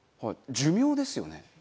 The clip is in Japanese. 寿命ですよね？